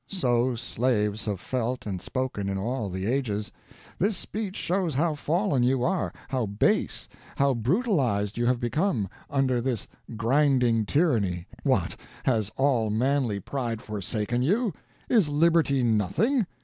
So slaves have felt and spoken in all the ages! This speech shows how fallen you are, how base, how brutalized you have become, under this grinding tyranny! What! has all manly pride forsaken you? Is liberty nothing?